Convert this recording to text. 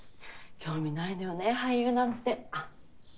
興味ないのよね俳優なんて。